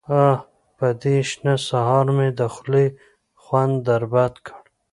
_اه! په دې شنه سهار مې د خولې خوند در بد کړ.